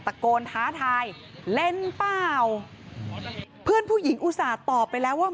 ตะโกนท้าทายเล่นเปล่าเพื่อนผู้หญิงอุตส่าห์ตอบไปแล้วว่า